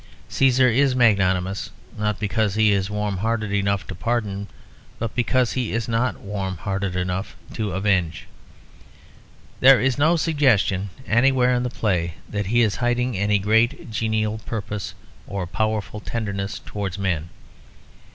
Cæsar is magnanimous not because he is warm hearted enough to pardon, but because he is not warm hearted enough to avenge. There is no suggestion anywhere in the play that he is hiding any great genial purpose or powerful tenderness towards men.